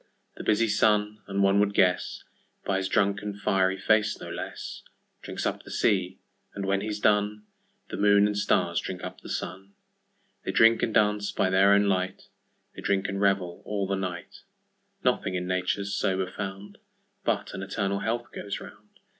The busy Sun (and one would guessBy 's drunken fiery face no less)Drinks up the sea, and when he's done, The Moon and Stars drink up the Sun:They drink and dance by their own light, They drink and revel all the night:Nothing in Nature's sober found, But an eternal health goes round.